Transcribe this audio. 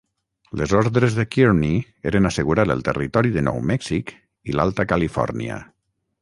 Les ordres de Kearny eren assegurar el territori de nou Mèxic i l'Alta Califòrnia.